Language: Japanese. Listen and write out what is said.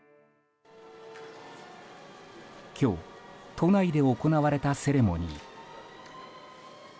今日、都内で行われたセレモニー。